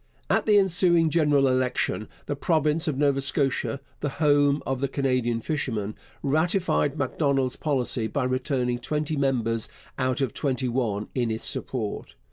At the ensuing general election the province of Nova Scotia the home of Canadian fishermen ratified Macdonald's policy by returning twenty members out of twenty one in its support.